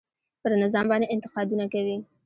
پر نظام باندې انتقادونه کوي.